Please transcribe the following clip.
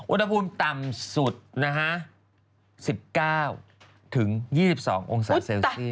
อุณหภูมิต่ำสุด๑๙๒๒องศาเซลเซล